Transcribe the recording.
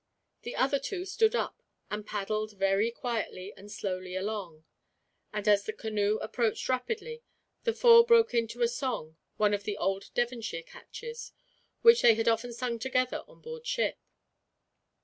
The other two stood up, and paddled very quietly and slowly along; and as the canoe approached rapidly, the four broke into a song one of the old Devonshire catches, which they had often sung together on board ship.